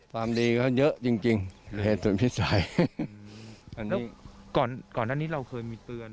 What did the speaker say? ความดีเขาเยอะจริงเหตุสุดพิสัย